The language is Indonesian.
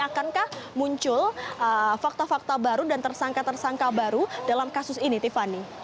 akankah muncul fakta fakta baru dan tersangka tersangka baru dalam kasus ini tiffany